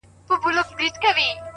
لا تیاري دي مړې ډېوې نه دي روښانه،